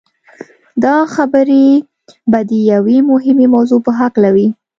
دا خبرې به د يوې مهمې موضوع په هکله وي.